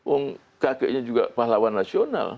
oh kakeknya juga pahlawan nasional